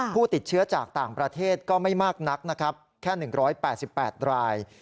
ผู้ติดเชื้อจากต่างประเทศก็ไม่มากนักนะครับแค่๑๘๘ราย